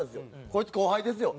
こいつ後輩ですよ。